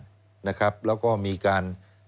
สวัสดีครับคุณผู้ชมค่ะต้อนรับเข้าที่วิทยาลัยศาสตร์